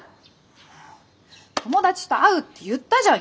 友達と会うって言ったじゃん